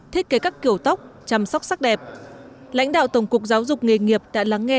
thiết kế các kiểu tóc chăm sóc sắc đẹp lãnh đạo tổng cục giáo dục nghề nghiệp đã lắng nghe